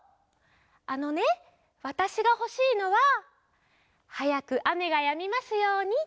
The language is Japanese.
あのねわたしがほしいのは「はやくあめがやみますように」っておねがいする